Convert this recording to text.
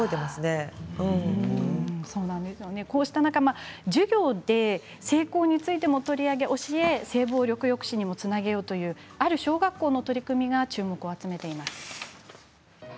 こうした中授業で性交についても取り上げ、教えて性暴力抑止にもつなげようというある小学校の取り組みが注目を集めています。